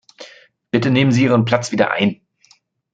Bitte nehmen Sie Ihren Platz wieder ein.